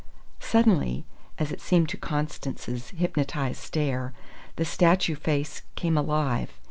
Suddenly, as it seemed to Constance's hypnotized stare, the statue face "came alive."